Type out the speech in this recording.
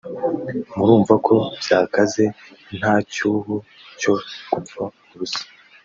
murumva ko byakaze nta cyubu cyo gupfa ubusa